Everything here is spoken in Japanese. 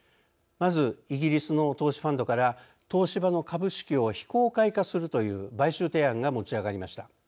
まずイギリスの投資ファンドから東芝の株式を非公開化するという買収提案が持ち上がりました。